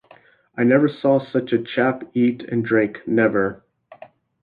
I never saw such a chap eat and drink — never.